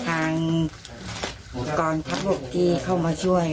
ทางครองกรทัพหกี้เข้ามาช่วย